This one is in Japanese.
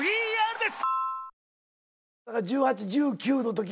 １８１９の時。